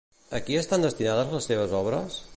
A qui estan destinades les seves obres?